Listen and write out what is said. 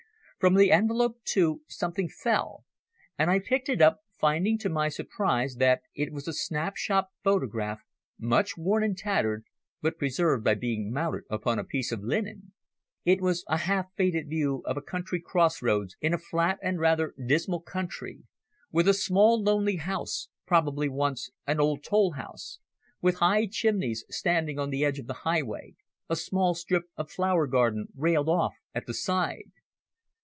From the envelope, too, something fell, and I picked it up, finding to my surprise that it was a snap shot photograph much worn and tattered, but preserved by being mounted upon a piece of linen. It was a half faded view of a country crossroads in a flat and rather dismal country, with a small lonely house, probably once an old toll house, with high chimneys standing on the edge of the highway, a small strip of flower garden railed off at the side.